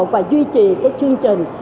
và duy trì cái chương trình